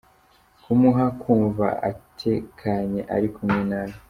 Kumuha kumva atekanye ari kumwe nawe.